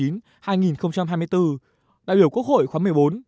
nhầm kỳ hai nghìn một mươi chín hai nghìn hai mươi bốn đại biểu quốc hội khóa một mươi bốn